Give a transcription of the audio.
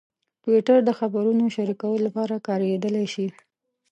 ټویټر د خبرونو شریکولو لپاره کارېدلی شي.